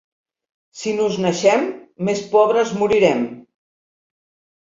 Si nus naixem, més pobres morirem.